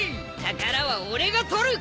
宝は俺が取る！